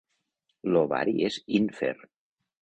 L'ovari és ínfer.